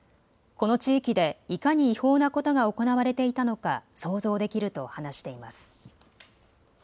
この地域でいかに違法なことが行われていたのか想像できると話しています。